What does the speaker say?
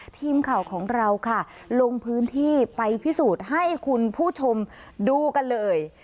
ทีมข่าวของเราค่ะลงพื้นที่ไปพิสูจน์ให้คุณผู้ชมดูกันเลย